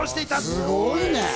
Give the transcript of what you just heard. すごいね。